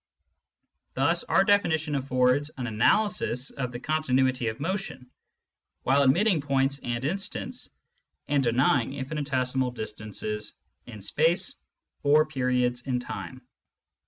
Thus our definition aflFords an analysis of the continuity of motion, while admitting points and instants and denying infinitesimal distances in space or periods in time.